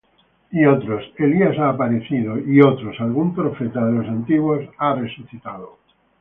Y otros: Elías ha aparecido; y otros: Algún profeta de los antiguos ha resucitado.